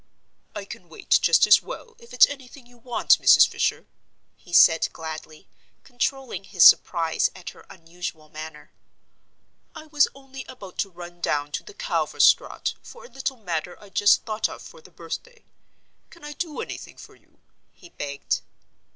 "I can wait just as well if it's anything you want, Mrs. Fisher," he said gladly, controlling his surprise at her unusual manner. "I was only about to run down to the Kalver straat for a little matter I just thought of for the birthday. Can I do anything for you?" he begged.